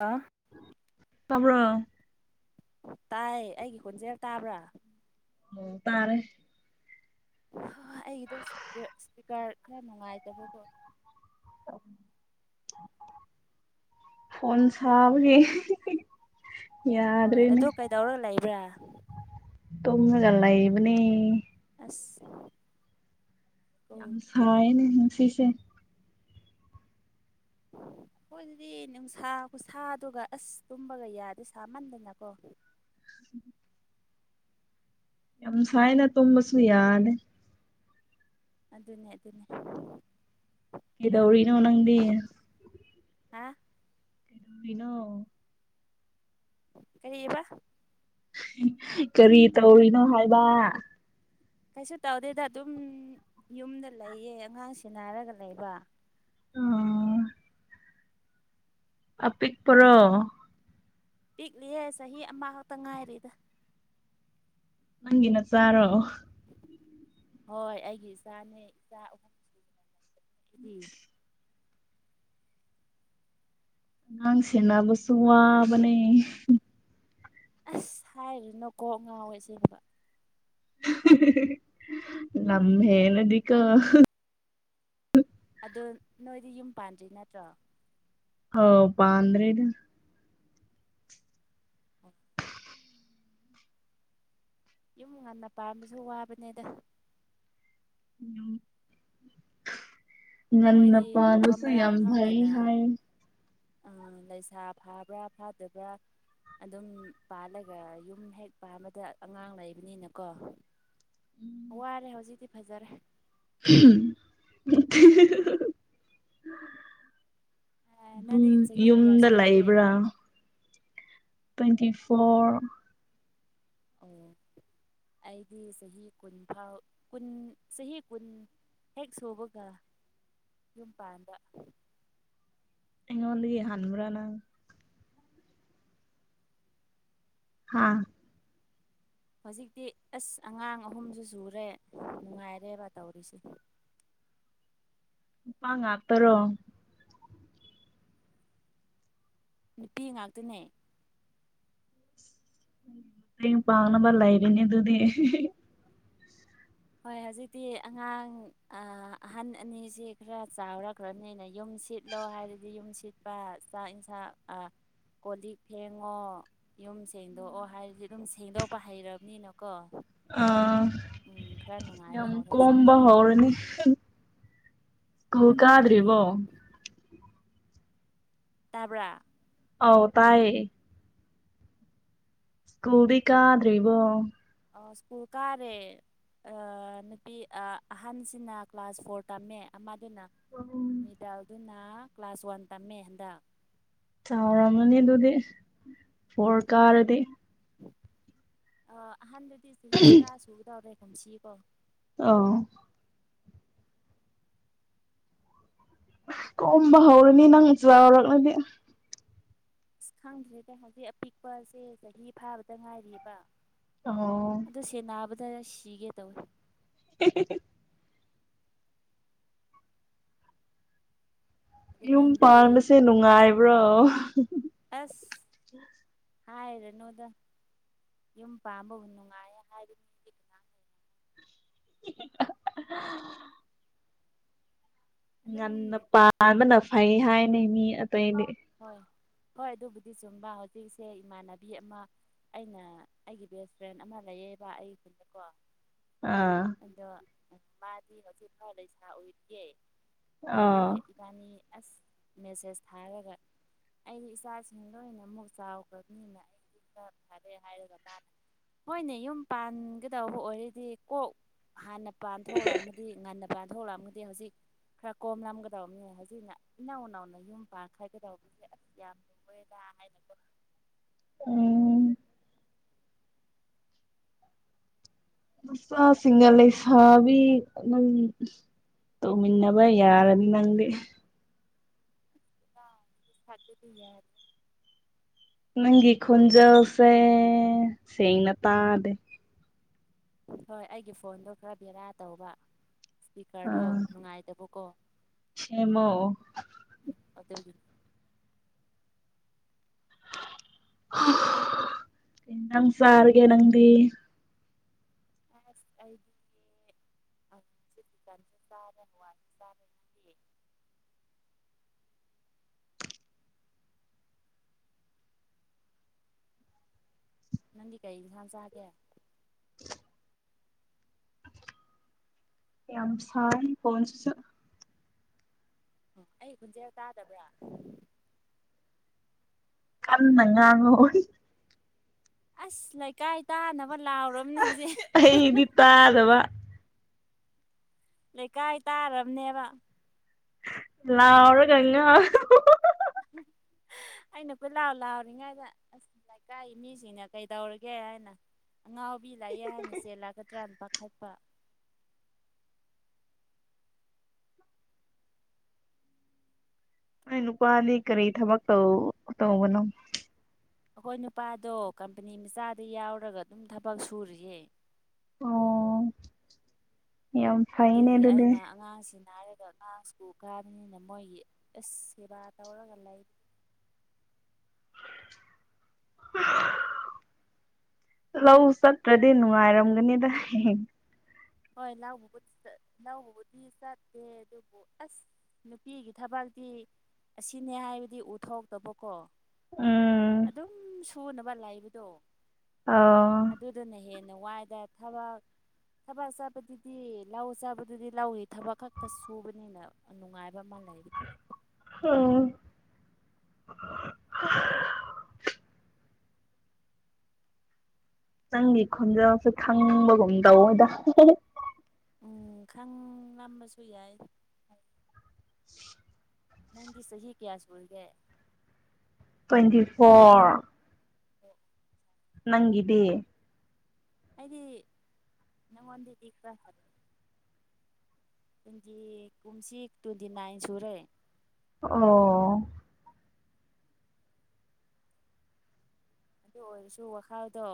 INAUDIBLE ꯇꯕ꯭ꯔꯣ ꯇꯥꯏ ꯑꯩꯒꯤ ꯈꯣꯟꯖꯦꯜ ꯇꯥꯕ꯭ꯔꯥ ꯎꯪ ꯇꯥꯔꯦ ꯍꯣꯍꯣꯏ ꯑꯩꯒꯤꯗꯣ ꯏꯁꯄꯤꯀꯔ ꯈꯔ ꯅꯨꯡꯉꯥꯏꯇꯕꯀꯣ ꯐꯣꯟ ꯁꯥꯕꯒꯤ ꯍꯣꯏ ꯌꯥꯗ꯭ꯔꯦꯅꯦ ꯑꯗꯨ ꯀꯩꯗꯧꯔ ꯂꯩꯕ꯭ꯔꯥ ꯇꯨꯝꯂꯒ ꯂꯩꯕꯅꯤ INAUDIBLE ꯌꯥꯝ ꯁꯥꯢꯌꯦꯅꯦ ꯉꯁꯤꯁꯦ INAUDIBLE ꯑꯩꯈꯣꯏꯗꯗꯤ ꯅꯨꯡꯁꯥ- ꯈꯨꯁꯥꯗꯨꯒ ꯑꯥꯁ ꯇꯨꯝꯕꯒ ꯌꯥꯗꯦ ꯁꯥꯃꯟꯗꯅꯀꯣ INAUDIBLE ꯌꯥꯝ ꯁꯥꯏꯌꯦꯅ ꯇꯨꯝꯕꯁꯨ ꯌꯥꯗꯦ ꯑꯗꯨꯅꯦ ꯑꯗꯨꯅꯦ ꯀꯩꯗꯧꯔꯤꯅꯣ ꯅꯪꯗꯤ ꯍꯥꯑꯥ ꯔꯤꯅꯣ ꯀꯔꯤꯑꯕꯥ ꯀꯔꯤ ꯇꯧꯔꯤꯅꯣ ꯍꯥꯏꯕ ꯀꯩꯁꯨ ꯇꯧꯗꯦꯗ ꯑꯗꯨꯝꯎꯝ ꯌꯨꯝꯗ ꯂꯩꯌꯦ ꯑꯉꯥꯡꯁꯦꯟꯅꯔꯒ ꯂꯩꯕ ꯑꯥ ꯑꯄꯤꯛꯄꯔꯣ ꯄꯤꯛꯂꯤꯌꯦ ꯆꯍꯤ ꯑꯃ ꯈꯛꯇ ꯉꯥꯏꯔꯤꯗ ꯅꯪꯒꯤ ꯅꯆꯥꯔꯣ ꯍꯣꯏ ꯑꯩꯒꯤ ꯏꯆꯥꯅꯦ ꯏꯆꯥ ꯑꯍꯨꯝ [inaudible] ꯑꯉꯥꯡ ꯁꯦꯟꯅꯕꯁꯨꯨ ꯋꯥꯕꯅꯦ ꯑꯁ ꯍꯥꯏꯔꯨꯅꯣ ꯀꯣꯛ ꯉꯥꯎꯋꯦ ꯑꯁꯦꯡꯕ ꯍꯦꯍꯦꯍꯦ ꯂꯝ ꯍꯦꯜꯂꯗꯤꯀꯣ ꯑꯗꯣ ꯅꯣꯏꯗꯤ ꯌꯨꯝ ꯄꯥꯟꯗ꯭ꯔꯤ ꯅꯠꯇ꯭ꯔꯣ ꯍꯣ ꯄꯥꯟꯗ꯭ꯔꯤꯗ ꯌꯨꯝ ꯉꯟꯅ ꯄꯥꯟꯕꯖꯨ ꯋꯥꯕꯅꯤꯗ ꯎꯝ ꯉꯟꯅ ꯑꯩꯈꯣꯏꯗꯤ ꯃꯐꯝ ꯄꯥꯟꯕꯁꯨ ꯌꯥꯝ ꯐꯩ ꯍꯥꯏ ꯑꯥ ꯂꯩꯁꯥ ꯐꯥꯕ꯭ꯔ ꯐꯥꯗꯕ꯭ꯔ ꯑꯗꯨꯝ ꯄꯥꯜꯂꯒ ꯌꯨꯝ ꯍꯦꯛ ꯄꯥꯟꯕꯗ ꯑꯉꯥꯡ ꯂꯩꯕꯅꯤꯅꯀꯣ ꯋꯥꯔꯦ ꯍꯧꯖꯤꯛꯇꯤ ꯐꯖꯔꯦ [unintelligible] ꯅꯪꯗꯤ ꯎꯝ ꯆꯍꯤ ꯀꯌꯥ ꯌꯨꯝꯗ ꯁꯨꯔꯒꯦ ꯂꯩꯕ꯭ꯔ ꯇ꯭ꯋꯦꯟꯇꯤ ꯐꯣꯔ ꯑꯣ ꯑꯩꯗꯤ ꯆꯍꯤ ꯀꯨꯟ ꯐꯥꯎ ꯀꯨꯟ ꯆꯍꯤ ꯀꯨꯟ ꯍꯦꯛ ꯁꯨꯕꯒ ꯌꯨꯝ ꯄꯥꯟꯕ ꯑꯩꯉꯣꯟꯗꯒꯤ ꯍꯟꯕ꯭ꯔ ꯅꯪ ꯍꯥꯥ ꯍꯧꯖꯤꯛꯇꯤ ꯑꯁ ꯑꯉꯥꯡ ꯑꯍꯨꯝꯖꯨ ꯁꯨꯔꯦ ꯅꯨꯡꯉꯥꯏꯔꯦꯕ ꯇꯧꯔꯤꯁꯦ ꯀꯣ [inaudible] ꯅꯨꯄꯥ ꯉꯥꯛꯇꯔꯣ ꯅꯨꯄꯤ ꯉꯥꯛꯇꯅꯦ [unintelligible] ꯌꯨꯨꯝ ꯄꯥꯡꯅꯕ ꯂꯥꯩꯔꯦꯅꯦ ꯑꯗꯨꯗꯤ ꯍꯣꯏ ꯍꯧꯖꯤꯛꯇꯤ ꯑꯉꯥꯡ ꯑ ꯑꯍꯟ ꯑꯅꯤꯖꯤ ꯈꯔ ꯆꯥꯎꯔꯈ꯭ꯔꯅꯤꯅ ꯌꯨꯝ ꯌꯨꯝ ꯁꯤꯠꯂꯣ ꯍꯥꯏꯔꯗꯤ ꯌꯨꯝ ꯁꯤꯠꯄ ꯆꯥꯛ ꯏꯟꯁꯥꯡ ꯑ ꯀꯣꯜ ꯂꯤꯛ ꯐꯦꯡꯉꯣ ꯌꯨꯝ ꯁꯦꯡꯗꯣꯛꯑꯣ ꯍꯥꯏꯔꯗꯤ ꯑꯗꯨꯝ ꯁꯦꯡꯗꯣꯛꯄ ꯍꯩꯔꯕꯅꯤꯅꯀꯣ ꯑ ꯎꯝ ꯈꯔ ꯅꯨꯡꯉꯥꯏꯕ ꯌꯥꯝ ꯍꯧꯔꯦ ꯍꯧꯖꯤꯛꯇꯤ ꯀꯣꯝꯕ ꯍꯧꯔꯅꯤ ꯁ꯭ꯀꯨꯜ ꯈꯔ ꯅꯨꯡꯉꯥꯏꯕ ꯀꯥꯗ꯭ꯔꯤꯕꯣ ꯍꯧꯔꯦ ꯇꯥꯕ꯭ꯔ ꯑꯥꯎ ꯇꯥꯏꯌꯦ ꯁ꯭ꯀꯨꯜꯗꯤ ꯀꯥꯗ꯭ꯔꯤꯕꯣ ꯑ ꯁ꯭ꯀꯨꯜ ꯀꯥꯔꯦ ꯑ ꯅꯨꯄꯤ ꯑ ꯑꯍꯟꯁꯤꯅ ꯀ꯭ꯂꯥꯁ ꯐꯣꯔ ꯇꯝꯃꯦ ꯑꯃ ꯑꯗꯨꯅ ꯃꯤꯗꯜꯗꯨꯅ ꯀ꯭ꯂꯥꯁ ꯋꯥꯟ ꯇꯝꯃꯦ ꯍꯟꯗꯛ ꯆꯥꯎꯔꯝꯃꯅꯤ ꯑꯗꯨꯗꯤ ꯐꯣꯔ ꯀꯥꯔꯗꯤ ꯑ ꯑꯍꯥꯟꯗꯨꯗꯤ ꯆꯍꯤ ꯇꯔꯥ ꯁꯨꯒꯗꯧꯔꯦ ꯀꯨꯝꯁꯤꯀꯣ ꯑꯣ ꯀꯣꯝꯕ ꯍꯧꯔꯅꯤ ꯅꯪ ꯆꯥꯎꯔꯛꯂꯗꯤ ꯑꯁ ꯈꯪꯗ꯭ꯔꯤꯗ ꯍꯧꯖꯤꯛ ꯑꯄꯤꯛꯄꯁꯦ ꯆꯍꯤ ꯐꯥꯕꯗ ꯉꯥꯏꯔꯤꯑꯕ ꯑꯍꯣ ꯈꯔꯁꯤꯒꯦ ꯇꯧꯋꯦ [unintelligible] ꯑꯗꯨ ꯌꯨꯝ ꯅꯪꯗꯤ ꯄꯥꯟꯕꯁꯦ ꯅꯨꯡꯉꯥꯏꯕ꯭ꯔꯣ ꯍꯥꯏꯔꯅꯣꯗ ꯌꯨꯝ ꯄꯥꯝꯕꯕꯨ ꯅꯨꯡꯉꯥꯏꯌꯦ ꯍꯥꯏꯗꯤ [unintelligible] [unintelligible] ꯑꯗꯨꯝ ꯉꯟꯅ ꯄꯟꯕꯅ ꯐꯩ ꯍꯥꯏꯅꯦ ꯃꯤ ꯑꯇꯩꯗꯤ ꯍꯣꯏ ꯍꯣꯏ ꯑꯗꯨꯕꯨꯗꯤ ꯆꯨ ꯆꯨꯝꯕ ꯍꯧꯖꯤꯛꯁꯦ ꯏꯃꯥꯟꯅꯕꯤ ꯑꯃ ꯑꯩꯅ ꯑꯩꯒꯤ ꯕꯦꯁ ꯐ꯭ꯔꯦꯟ ꯑꯃ ꯂꯩꯌꯦꯕ ꯑꯩ ꯀꯣ ꯑꯥ ꯃꯗꯤ ꯍꯧꯖꯤꯛ ꯈꯔ ꯂꯩꯁꯥ ꯑꯣꯏꯔꯤꯌꯦ ꯑꯥ ꯑꯗꯨꯒꯤ ꯏꯕꯥꯅꯤ ꯑꯁ ꯃꯦꯁꯦꯁ ꯊꯥꯔꯒ ꯑꯩꯗꯤ ꯏꯆꯥꯁꯤꯡ ꯂꯣꯏꯅ ꯑꯃꯨꯛ ꯆꯥꯎꯈ꯭ꯔꯕꯅꯤꯅ ꯑꯩꯗꯤ ꯈꯔ ꯐꯔꯦ ꯍꯥꯏꯒ ꯃꯅ ꯍꯣꯏꯅꯦ ꯌꯨꯝ ꯄꯥꯟꯒꯗꯧꯕ ꯑꯣꯏꯔꯗꯤ ꯀꯣꯛ ꯍꯥꯅ ꯄꯥꯟ ꯊꯣꯛꯂꯝꯃꯗꯤ ꯉꯥꯟꯅ ꯄꯥꯟ ꯊꯣꯛꯂꯝꯒꯗꯤ ꯍꯧꯖꯤꯛ ꯈꯔ ꯀꯣꯝꯂꯝꯒꯗꯧꯕꯅꯤ ꯍꯧꯖꯤꯛꯅ ꯏꯅꯥꯎ ꯅꯥꯎꯅ ꯌꯨꯝ ꯄꯥꯟꯈ꯭ꯔꯒꯗꯧ ꯁꯦ ꯑꯁ ꯌꯥꯝ ꯂꯣꯏꯔꯗ ꯍꯥꯏꯅꯀꯣ ꯎꯝ ꯏꯆꯥꯁꯤꯡꯅ ꯂꯩ ꯁꯥꯥꯕꯤ [unintelligible] ꯇꯧꯃꯤꯟꯅꯕ ꯌꯥꯔꯅꯤ ꯅꯪꯗꯤ [unintelligible] ꯅꯪꯒꯤ ꯈꯣꯟꯖꯦꯜꯁꯦ ꯁꯦꯡꯅ ꯇꯥꯗꯦ ꯍꯣꯏ ꯑꯩꯒꯤ ꯐꯣꯟꯗꯣ ꯈꯔ ꯕꯦꯔ ꯇꯧꯕ ꯏꯁꯄꯤꯀꯔꯗꯣ ꯑꯥ ꯅꯨꯡꯉꯥꯏꯇꯕꯀꯣ ꯁꯦꯝꯃꯣ ꯎꯝ ꯑꯗꯨꯒꯤꯅꯤ ꯀꯩ ꯖꯥꯡ ꯆꯥꯔꯒꯦ ꯅꯪꯗꯤ [unintelligible] [unintelligible] ꯅꯪꯗꯤ ꯀꯩ ꯏꯟꯖꯥꯡ ꯆꯒꯦ ꯌꯝ ꯁꯥꯏ ꯐꯣꯟꯁꯤꯁꯨ ꯎꯝ ꯑꯩ ꯈꯣꯟꯖꯦꯜ ꯇꯥꯗꯕ꯭ꯔ ꯀꯟꯅ ꯉꯥꯡꯉꯣ ꯑꯁ ꯂꯩꯀꯥꯏ ꯇꯥꯅꯕ ꯂꯥꯎꯔꯕꯅꯦ ꯍꯧꯖꯤꯛ ꯑꯩꯗꯤ ꯇꯥꯗꯕ ꯂꯩꯀꯥꯏ ꯇꯥꯔꯕꯅꯦꯕ ꯂꯥꯎꯔꯒ ꯉꯥꯎ ꯍꯨ ꯍꯨ ꯍꯨ [unintelligible] ꯑꯩꯅ ꯀꯣꯏ ꯂꯥꯎ ꯂꯥꯎꯔꯤꯉꯩꯗ ꯑꯁ ꯂꯩꯀꯥꯏꯒꯤ ꯃꯤꯖꯤꯡꯅ ꯀꯩꯗꯧꯔꯒꯦ ꯍꯥꯏꯅ ꯑꯉꯥꯎꯕꯤ ꯂꯩꯌꯦ ꯍꯥꯏꯅ ꯆꯦ ꯂꯥꯛꯀꯗ꯭ꯔꯅ ꯄꯥꯈꯠꯄ ꯅꯣꯏ ꯅꯨꯄꯥꯗꯤ ꯀꯔꯤ ꯊꯕꯛ ꯇꯧ ꯇꯧꯕꯅꯣ ꯑꯈꯣꯏ ꯅꯨꯄꯥꯗꯣ ꯀꯝꯄꯅꯤ ꯃꯆꯥꯗ ꯌꯥꯎꯔꯒ ꯑꯗꯨꯝ ꯊꯕꯛ ꯁꯨꯔꯤꯌꯦ ꯑꯣ ꯌꯥꯝ ꯐꯩꯅꯦ ꯑꯗꯨꯒꯤ ꯑꯗꯨꯗꯤ ꯑꯩꯅ ꯑꯉꯥꯡꯁꯤ ꯅꯥꯔꯒ ꯑꯉꯥꯡ ꯁ꯭ꯀꯨꯜ ꯀꯥꯕꯅꯤꯅ ꯃꯣꯏꯒꯤ ꯑꯁ ꯁꯦꯕꯥ ꯇꯧꯔꯒ ꯂꯩ [inaudible] [inaudible] ꯂꯧ ꯆꯠꯇ꯭ꯔꯗꯤ ꯅꯨꯡꯉꯥꯏꯔꯝꯒꯅꯤꯗ ꯍꯦ ꯍꯦ ꯍꯣꯏ ꯂꯥꯎꯕꯕꯨ ꯆꯠ ꯂꯥꯎꯕꯕꯨꯗꯤ ꯆꯠꯇꯦ ꯑꯗꯨꯕꯨ ꯑꯁ ꯅꯨꯄꯤꯒꯤ ꯊꯕꯛ ꯇꯤ ꯑꯁꯤꯅꯦ ꯍꯥꯏꯕꯗꯤ ꯎꯊꯣꯛꯇꯕꯀꯣ꯫ ꯎꯝ ꯑꯗꯨꯝ ꯁꯨꯅꯕ ꯂꯩꯕꯗꯣ ꯑꯥ [unintelligible] ꯋꯥꯏꯗ ꯊꯕꯛ ꯊꯕꯛ ꯆꯠꯄꯗꯨꯗꯤ ꯂꯧ ꯆꯠꯗꯨꯗꯤ ꯂꯧꯏ ꯊꯕꯛ ꯈꯛꯇ ꯁꯨꯕꯅꯤꯅ ꯅꯨꯡꯉꯥꯏꯕ ꯑꯃ ꯂꯩꯕꯅꯤ꯫ ꯑꯣ ꯅꯪꯒꯤ ꯈꯣꯟꯖꯦꯜꯁꯦ ꯊꯪꯕꯒꯨꯝ ꯇꯧꯋꯦꯗ [unintelligible] ꯎꯝ ꯈꯡ ꯂꯝꯕꯁꯨ ꯌꯥꯏ꯫ ꯅꯪꯒꯤ ꯆꯍꯤ ꯀꯌꯥ ꯁꯨꯔꯒꯦ? Twenty four. ꯎ ꯅꯪꯒꯤꯗꯤ? ꯑꯩꯗꯤ ꯅꯪꯉꯣꯟꯗꯒꯤ ꯈ꯭ꯔꯥ ꯍꯟ ꯇ꯭ꯋꯦꯟꯇꯤ ꯀꯨꯝꯁꯤ ꯇ꯭ꯋꯦꯟꯇꯤ ꯅꯥꯏꯟ ꯁꯨꯔꯦ꯫ ꯑꯣ ꯑꯗꯨ ꯑꯣꯏꯔꯁꯨ ꯋꯥꯈꯜꯗꯣ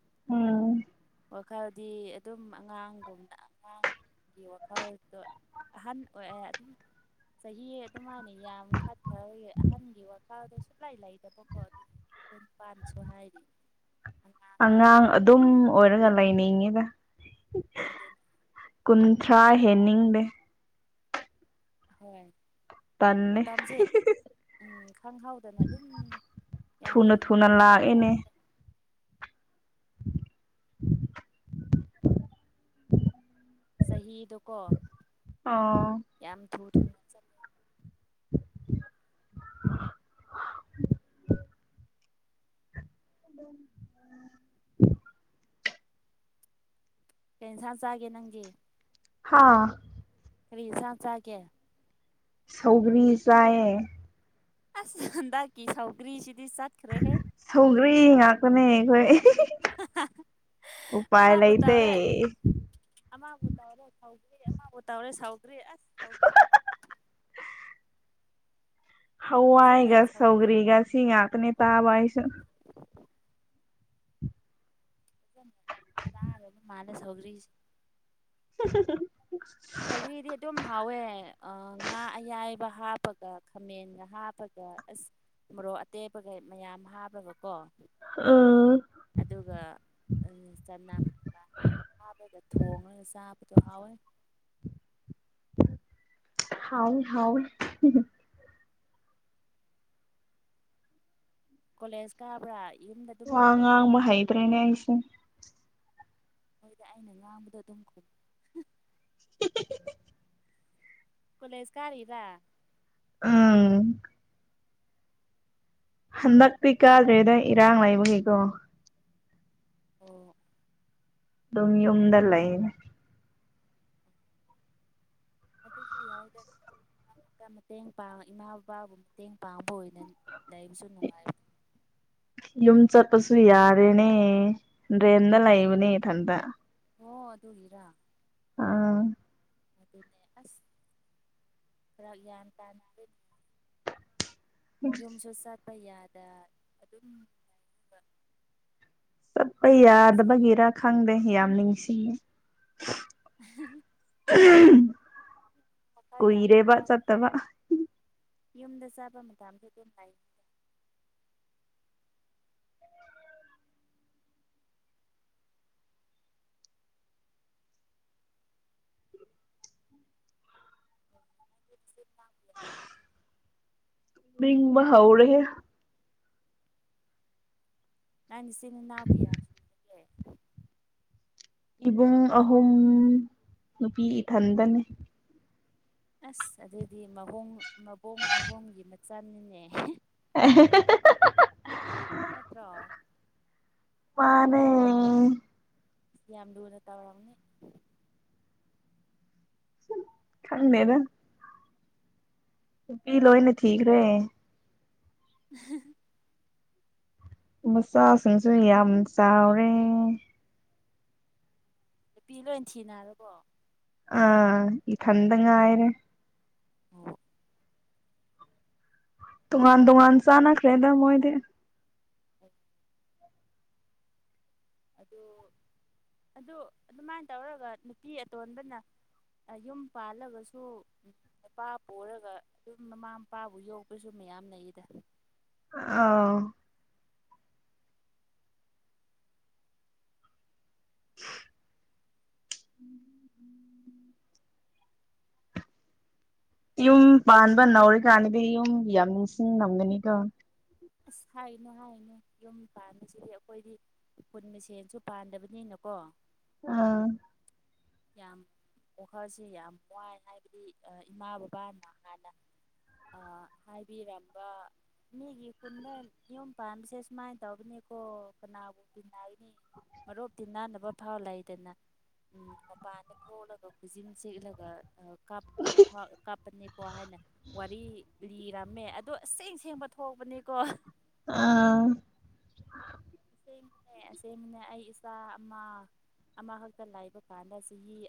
[unintelligible] ꯋꯥꯈꯜꯗꯤ ꯑꯗꯨꯝ ꯑꯉꯥꯡꯒꯨꯝꯅ ꯑꯉꯥꯡ ꯒꯤ ꯋꯥꯈꯜꯗꯣ ꯑꯍꯟ ꯑꯣꯏ ꯑ [inaudible] ꯆꯍꯤ ꯑꯗꯨꯝ ꯃꯥ ꯅꯤ ꯌꯥꯝ ꯈꯠ ꯈ꯭ꯔꯕꯩ ꯑꯍꯟꯒꯤ ꯋꯥ ꯈꯜ ꯁꯨꯛꯂꯩ ꯂꯩꯇꯕꯀꯣ ꯌꯨꯝ ꯄꯥꯟꯁꯨ ꯍꯥꯏꯔꯤ꯫ ꯑꯉꯥꯡ ꯑꯗꯨꯝ ꯑꯣꯏꯔꯒ ꯂꯩꯅꯤꯡꯉꯤꯗ꯫ ꯑꯗꯨ ꯊ꯭ꯔꯥ ꯍꯦꯟꯅꯤꯡꯗꯦ ꯍꯣꯏ ꯇꯟꯅꯦ ꯃꯇꯝꯁꯦ [unintelligible] ꯎꯝ ꯈꯪꯍꯧꯗꯅ ꯑꯗꯨꯝ ꯌꯥꯝ ꯊꯨꯅ ꯂꯣꯏꯒꯗꯧ ꯖꯥꯠꯅꯤ꯫ ꯆꯍꯤꯗꯣꯀꯣ ꯑꯣ ꯌꯥꯝ ꯊꯨ ꯊꯨꯅ ꯆꯠꯂꯦ꯫ [inaudible] [inaudible] ꯀꯩ ꯍꯦꯟꯁꯥꯡ ꯆꯥꯒꯦ ꯅꯪꯗꯤ? ꯍꯥ ꯀꯔꯤ ꯍꯦꯟꯁꯥꯡ ꯆꯥꯒꯦ? ꯁꯧꯒ꯭ꯔꯤ ꯆꯥꯏꯌꯦ꯫ ꯑꯁ ꯅꯪꯒꯤ ꯁꯧꯒ꯭ꯔꯤꯁꯤꯗꯤ ꯆꯠꯈ꯭ꯔꯦꯍꯦ꯫ ꯒ꯭ꯔꯤ ꯉꯥꯛꯇꯅꯦ ꯑꯩꯈꯣꯏ꯫ [unintelligible] ꯎꯄꯥꯏ ꯃꯥꯕꯨ ꯂꯩꯇꯦ꯫ ꯇꯧꯔꯦ ꯑꯃꯕꯨ ꯇꯧꯔꯦ ꯁꯥꯎꯀ꯭ꯔꯤ ꯑꯃꯕꯨ ꯇꯧꯔꯦ ꯁꯥꯎꯀ꯭ꯔꯤ ꯑꯁ ꯁꯥꯎꯀ꯭ꯔꯤ ꯐꯖꯅ ꯍꯋꯥꯏꯒ ꯁꯧꯒ꯭ꯔꯤ ꯁꯧꯒ꯭ꯔꯤꯒ ꯁꯤ ꯉꯥꯛꯇꯅꯦ ꯆꯥꯕ ꯑꯩꯁꯨ꯫ ꯆꯥ [inaudible] ꯃꯥꯜꯂꯦ ꯁꯧꯒ꯭ꯔꯤꯁ [unintelligible] ꯁꯧꯒ꯭ꯔꯤꯗꯤ ꯑꯗꯨꯝ ꯍꯥꯎꯋꯦ ꯑ ꯉꯥ ꯑꯌꯥꯏ ꯕ ꯍꯥꯞꯄꯒ ꯈꯥꯃꯦꯟꯒ ꯍꯥꯞꯄꯒ ꯑꯁ ꯃꯣꯔꯣꯛ ꯑꯇꯦꯛꯄꯒ ꯃꯌꯥꯝ ꯍꯥꯞꯄꯒꯀꯣ ꯎꯝ ꯑꯗꯨꯒ ꯎ ꯆꯅꯝꯒ ꯍꯥꯞꯔꯗ ꯊꯣꯡꯉ ꯆꯥꯄꯇꯣ ꯍꯥꯥꯎꯋꯦ ꯍꯥꯎꯅꯤ ꯍꯥꯎꯅꯤ ꯍꯨ ꯍꯨ ꯀꯣꯂꯦꯖ ꯀꯥꯕ꯭ꯔ ꯋꯥ ꯉꯥꯡꯕ ꯍꯩꯇ꯭ꯔꯦꯅꯦ ꯑꯩꯁꯦ ꯅꯣꯏꯗ ꯑꯩꯅ ꯉꯥꯡꯕꯗꯣ ꯑꯗꯨꯝ ꯈꯨꯝ [unintelligible] ꯀꯣꯂꯦꯖ ꯀꯥꯔꯤꯔ ꯎꯝ ꯍꯟꯗꯛꯇꯤ ꯀꯥꯗ꯭ꯔꯦꯗ ꯏꯔꯥꯡ ꯂꯩꯕꯒꯤꯀꯣ ꯑꯣ ꯑꯗꯨꯝ ꯌꯨꯝꯗ ꯂꯩꯅꯦ ꯑꯗꯨꯁꯨ ꯌꯥꯏꯗ ꯃꯔ ꯃꯇꯦꯡ ꯄꯥꯡ ꯏꯃꯥ ꯕꯕꯥꯕꯨ ꯃꯇꯦꯡ ꯄꯥꯡꯕ ꯑꯣꯏꯅ ꯂꯩꯕꯁꯨ ꯅꯨꯡꯉꯥꯏꯕ [inaudible] ꯌꯨꯝ ꯆꯠꯄꯁꯨ ꯌꯥꯔꯦꯅꯦ ꯔꯦꯟꯗ ꯂꯩꯕꯅꯦ ꯏꯊꯟꯇ ꯑꯣ ꯑꯗꯨꯒꯤꯔꯥ ꯑꯥ ꯑꯗꯨꯅꯦ ꯑꯁ ꯐꯔꯛ ꯌꯥꯝ ꯇꯥꯅ ꯌꯨꯝꯁꯨ ꯆꯠꯄ ꯌꯥꯗ ꯑꯗꯨꯝ ꯆꯠꯄ ꯑꯁꯦꯡꯕ ꯌꯥꯗꯕꯒꯤꯔꯥ ꯈꯪꯗꯦ ꯌꯥꯝ ꯅꯤꯡꯁꯤꯡꯉꯤ [unintelligible] ꯃꯈꯥ ꯌꯥꯝ ꯀꯨꯏꯔꯦꯕ ꯄꯤꯛꯊꯥꯏ ꯆꯠꯇꯕ ꯌꯨꯝꯗ ꯆꯠꯄ ꯃꯇꯝꯗꯗꯤ ꯑꯗꯨꯝ ꯂꯩꯈꯤ [unintelligible] [inaudible] ꯃꯤꯡꯕ ꯍꯧꯔꯦꯍꯦ ꯅꯪ ꯏꯆꯤꯟ ꯏꯅꯥꯎ ꯀꯥꯌ ꯁꯨꯒꯦ ꯏꯕꯨꯡ ꯑꯍꯨꯝ ꯅꯨꯄꯤ ꯏꯊꯟꯗꯅꯤ ꯑꯁ ꯑꯗꯨꯗꯤ ꯃꯕꯨꯡ ꯃꯕꯨꯡ ꯑꯍꯨꯝꯒꯤ ꯃꯆꯟꯅꯤꯅꯦ ꯑꯦ ꯍꯦ ꯍꯦ ꯍꯦ ꯍꯥ ꯍꯥ ꯅꯠꯇ꯭ꯔꯣ ꯃꯥꯅꯦ ꯌꯥꯝ ꯂꯨꯅ ꯇꯧꯔꯝꯅꯤ ꯈꯪꯗꯦꯕ ꯅꯨꯄꯤ ꯂꯣꯏꯅ ꯊꯤꯈ꯭ꯔꯦ [unintelligible] ꯃꯆꯥꯁꯤꯡꯁꯨ ꯌꯥꯝ ꯆꯥꯎꯔꯦ ꯅꯨꯄꯤ ꯂꯣꯏ ꯊꯤꯅꯔꯕꯣ ꯑꯥ ꯏꯊꯟꯗ ꯉꯥꯏꯔꯦ ꯑꯣ ꯇꯣꯉꯥꯟ ꯇꯣꯉꯥꯟ ꯆꯥꯟꯅꯈ꯭ꯔꯦꯗ ꯃꯣꯏꯗꯤ ꯑꯗꯨ ꯑꯗꯨ ꯑꯗꯨꯃꯥꯏꯅ ꯇꯧꯔꯒ ꯅꯨꯄꯤ ꯑꯇꯣꯟꯕꯅ ꯌꯨꯝ ꯄꯥꯜꯂꯒꯁꯨ ꯅꯨꯄꯥ ꯄꯨꯔꯒ ꯑꯗꯨꯝ ꯃꯃꯥ ꯃꯄꯥꯕꯨ ꯌꯣꯛꯄꯁꯨ ꯃꯌꯥꯝ ꯂꯩꯗ ꯑꯥꯎ ꯌꯨꯝ ꯄꯥꯟꯕ ꯅꯧꯔꯤ ꯀꯥꯟꯅꯤꯗꯤ ꯌꯨꯝ ꯌꯥꯝ ꯅꯤꯡꯁꯤꯡ ꯉꯝꯒꯅꯤꯀꯣ ꯑꯁ ꯍꯥꯏꯅꯣ ꯍꯥꯏꯅ ꯌꯨꯝ ꯄꯥꯟꯕꯁꯤꯗꯤ ꯑꯩꯈꯣꯏꯗꯤ ꯀꯟ ꯃꯁꯦꯟꯁꯨ ꯄꯥꯟꯗꯕꯅꯤꯅ ꯀꯣ ꯑꯥ ꯌꯥꯝ ꯋꯥꯈꯜꯁꯤ ꯌꯥꯝ ꯋꯥꯏ ꯍꯥꯏꯕꯗꯤ ꯏꯃꯥ ꯕꯕꯥꯅ ꯍꯥꯟꯅ ꯑꯥ ꯍꯥꯏꯕꯤꯔꯝꯕ ꯃꯤꯒꯤ ꯈꯨꯟꯗ ꯌꯨꯝ ꯄꯥꯟꯕꯁꯦ ꯁꯨꯃꯥꯏꯅ ꯇꯧꯕꯅꯦ ꯀꯣ ꯀꯅꯥꯕꯨ ꯇꯤꯟꯅꯒꯅꯤ ꯃꯔꯨꯞ ꯇꯤꯟꯅꯅꯐꯥꯎ ꯂꯩꯗꯅ ꯎꯝ ꯃꯄꯥꯟꯗ ꯊꯣꯛꯂꯒ ꯈꯨꯖꯤꯟ ꯁꯤꯛꯂꯒ ꯀꯥꯞꯄꯅꯤꯀꯣ ꯍꯥꯏꯅ ꯋꯥꯔꯤ ꯂꯤꯔꯝꯃꯦ ꯑꯗꯣ ꯑꯁꯦꯡ ꯑꯁꯦꯡꯕ ꯊꯣꯛꯄꯅꯤꯀꯣ ꯑꯥ ꯑꯁꯦꯡꯕꯅꯦ ꯑꯁꯦꯡꯕꯅꯦ ꯑꯩ ꯏꯆꯥ ꯑꯃ ꯑꯃꯈꯛꯇ ꯂꯩꯕ ꯀꯥꯟꯗ ꯁꯤꯒꯤ